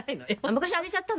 昔あげちゃったの？